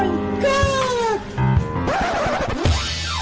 มันฆ่า